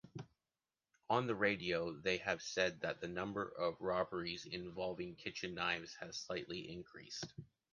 On the radio they have said that the number of robberies involving kitchen knives has slightly increased.